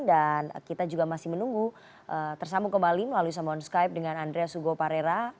dan kita juga masih menunggu tersambung kembali melalui saluran skype dengan andrea sugoparera